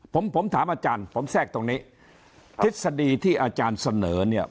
ผมผมถามอาจารย์ผมแทรกตรงนี้ทฤษฎีที่อาจารย์เสนอเนี่ย